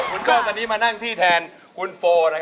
คุณโจ้ตอนนี้มานั่งที่แทนคุณโฟนะครับ